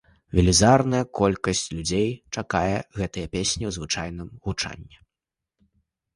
Велізарная колькасць людзей чакае гэтыя песні ў звычайным гучанні.